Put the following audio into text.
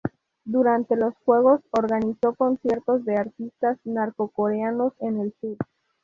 Durante los Juegos, organizó conciertos de artistas norcoreanos en el sur.